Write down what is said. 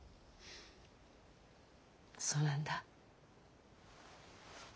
そうなんだ。